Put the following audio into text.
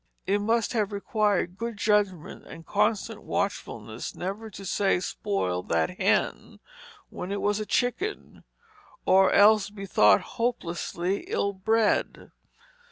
It must have required good judgment and constant watchfulness never to say "spoil that Hen," when it was a chicken; or else be thought hopelessly ill bred.